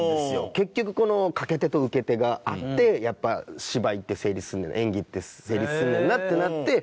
結局この掛け手と受け手があってやっぱ芝居って成立する演技って成立すんねんなってなって。